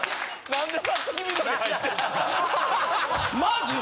何で？